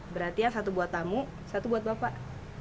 berarti ya satu buat tamu satu buat bapak